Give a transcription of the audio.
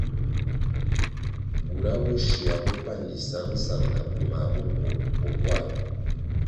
Bura bo shywua bopandi sangsang na bumah bopwo bo kwar.